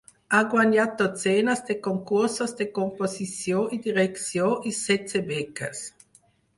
Ha guanyat dotzenes de concursos de composició i direcció, i setze beques.